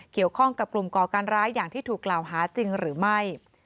เกี่ยวข้องกับกลุ่มก่อการร้ายอย่างที่ถูกกล่าวหาจริงหรือไม่